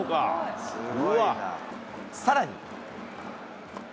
さらに。